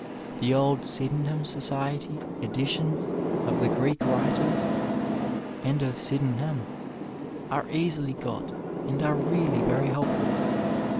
The old Sydenham Society editions of the Greek writers and of Sydenham are easily got and are really very helpful.